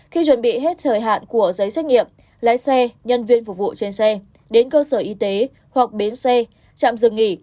khi chuẩn bị hết thời hạn của giấy xét nghiệm lái xe nhân viên phục vụ trên xe đến cơ sở y tế hoặc bến xe trạm dừng nghỉ